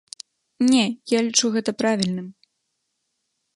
Не, я лічу гэта правільным.